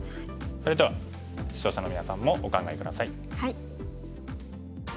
それでは視聴者のみなさんもお考え下さい。